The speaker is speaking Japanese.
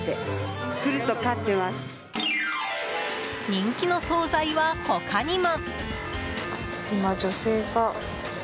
人気の総菜は他にも。